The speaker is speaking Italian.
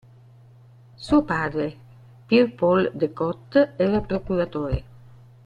Suo padre, Pierre Paul de Cotte, era procuratore.